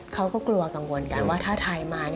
เขาก็กลัวกังวลกันว่าถ้าไทยมา